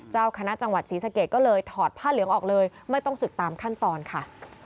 เจ้าคณะจังหวัดศรีสะเกดก็เลยถอดผ้าเหลืองออกเลยไม่ต้องศึกตามขั้นตอนค่ะ